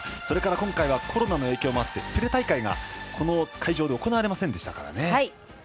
それから今回はコロナの影響でプレ大会がこの会場で行われませんでしたからね。